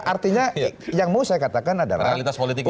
artinya yang mau saya katakan adalah